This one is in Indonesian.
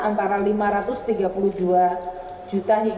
antara lima ratus tiga puluh dua juta hingga satu lima miliar